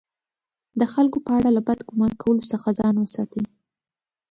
د خلکو په اړه له بد ګمان کولو څخه ځان وساتئ!